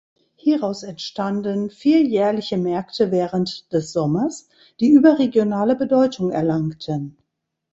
Hieraus entstanden vier jährliche Märkte während des Sommers, die überregionale Bedeutung erlangten.